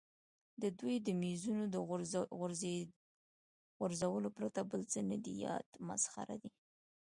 د ده د مېزونو د غورځولو پرته بل څه نه دي یاد، مسخره دی.